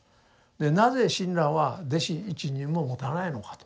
でなぜ親鸞は弟子一人も持たないのかと。